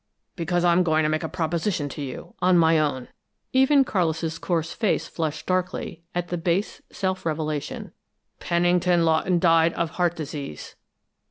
"Because I'm going to make a proposition to you on my own." Even Carlis' coarse face flushed darkly at the base self revelation. "Pennington Lawton died of heart disease."